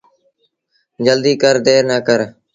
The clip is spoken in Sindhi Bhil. جلديٚ ڪر دير نا ڪر۔